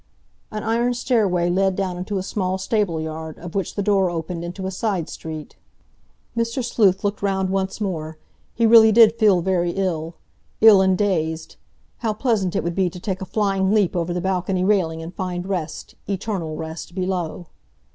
An iron stairway led down into a small stable yard, of which the door opened into a side street. Mr. Sleuth looked round once more; he really did feel very ill—ill and dazed. How pleasant it would be to take a flying leap over the balcony railing and find rest, eternal rest, below.